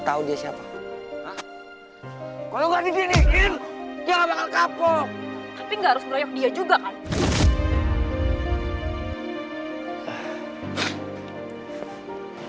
tapi gak harus melayang dia juga kan